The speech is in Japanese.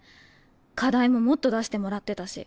課題ももっと出してもらってたし。